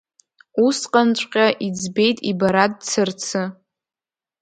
Усҟанҵәҟьа иӡбеит ибара дцарцы.